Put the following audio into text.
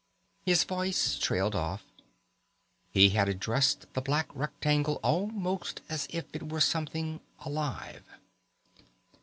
His voice trailed off. He had addressed the black rectangle almost as if it were something alive.